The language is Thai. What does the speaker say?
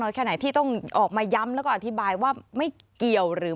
แค่ไหนที่ต้องออกมาย้ำแล้วก็อธิบายว่าไม่เกี่ยวหรือ